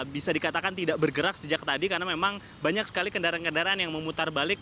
bisa dikatakan tidak bergerak sejak tadi karena memang banyak sekali kendaraan kendaraan yang memutar balik